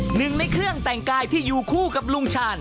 หนึ่งในเครื่องแต่งกายที่อยู่คู่กับลุงชาญ